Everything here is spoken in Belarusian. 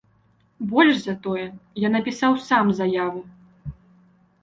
Больш за тое, я напісаў сам заяву.